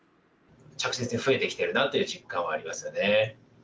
着実に増えてきているなという実感はありますよね。